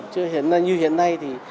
chứ như hiện nay thì